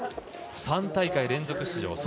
３大会連続出場。